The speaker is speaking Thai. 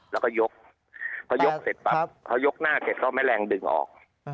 แล้วก็ยกเพราะยกหน้าเสร็จต้องแม่แรงดึงออก